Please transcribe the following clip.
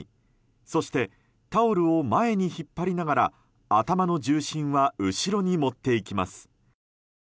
そしてタオルを前に引っ張りながら頭の重心は後ろに持っていきます。